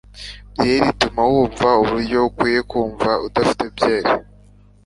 byeri ituma wumva uburyo ukwiye kumva udafite byeri